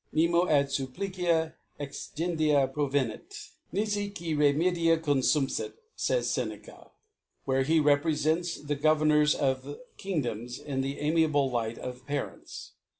Nemo ad fufplicia exigenda provemi^ niji qui remedia conJUmpJu^ fays Seneca *, where he reprefents the Gover nors of Kingdoms in the amiable Light of Parents.